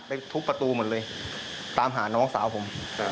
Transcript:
ทุบประตูหมดเลยตามหาน้องสาวผม